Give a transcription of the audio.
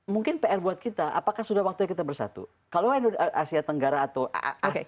mungkin pr buat kita apakah sudah waktunya kita bersatu kalau asia tenggara atau asia